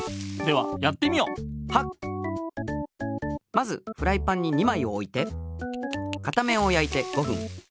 まずフライパンに２まいおいて片面をやいて５ふん。